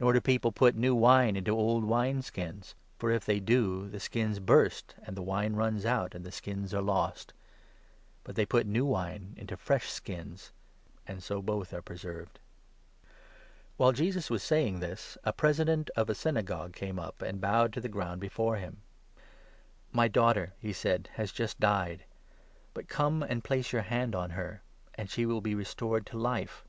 Nor do people put new wine into old wine 17 skins ; for, if they do, the skins burst, and the wine runs out, and the skins are lost ; but they put new wine into fresh skins, and so both are preserved." While Jesus was saying this, a President of a 18 The Raisins o J J ?, of the Synagogue came up and bowed to the ground Daughter o* before him. jaeirus. „ My daughter," he said, "has just died ; but come and place your hand on her, and she will be restored to life."